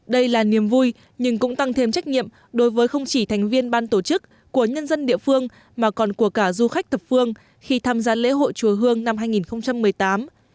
đây là niềm vui nhưng cũng tăng thêm trách nhiệm đối với không chỉ thành viên ban tổ chức của nhân dân địa phương mà còn của cả du khách thập phương khi tham gia lễ hội chùa hương năm hai nghìn một mươi tám